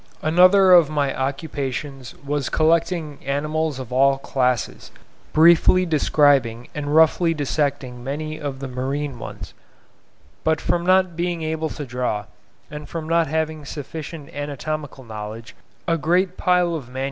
Another of my occupations was collecting animals of all classes, briefly describing and roughly dissecting many of the marine ones; but from not being able to draw, and from not having sufficient anatomical knowledge, a great pile of MS.